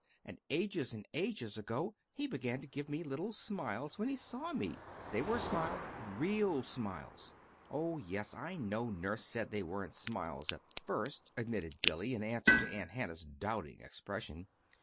And ages and ages ago he began to give me little smiles when he saw me. They were smiles real smiles! Oh, yes, I know nurse said they weren't smiles at the first," admitted Billy, in answer to Aunt Hannah's doubting expression.